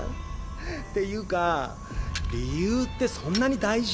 っていうか理由ってそんなに大事？